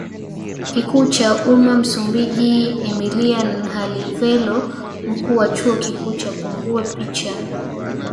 Kikuu cha Umma MsumbijiEmília Nhalevilo Mkuu wa chuo kikuu cha Púnguè Picha na